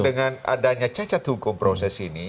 dengan adanya cacat hukum proses ini